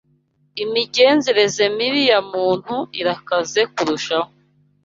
imigenzereze mibi ya muntu irakaze kurushaho